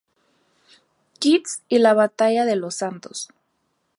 Kitts y la Batalla de los Santos.